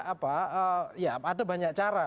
apa ya ada banyak cara